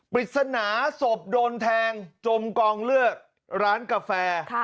ปริศนาศพโดนแทงจมกองเลือดร้านกาแฟ